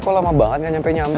kok lama banget gak nyampe nyampe